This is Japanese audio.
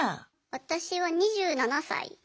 私は２７歳です。